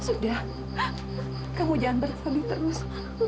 sudah kamu jangan bersedih terus